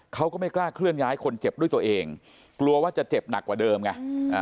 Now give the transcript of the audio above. เขาก็ไม่กล้าเคลื่อนย้ายคนเจ็บด้วยตัวเองกลัวว่าจะเจ็บหนักกว่าเดิมไง